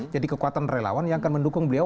jadi kekuatan relawan yang akan mendukung beliau